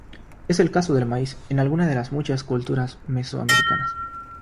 Es el caso del maíz en algunas de las muchas culturas mesoamericanas.